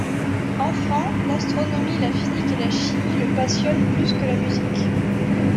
Enfant, l'astronomie, la physique et la chimie le passionnent plus que la musique.